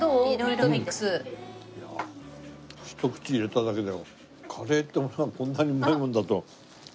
ひと口入れただけでカレーってこんなにうまいもんだと思わなかったね。